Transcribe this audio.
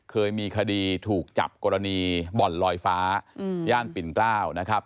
เคยมีคดีถูกจับกรณีบ่อนลอยฟ้าย่านปิ่นเกล้านะครับ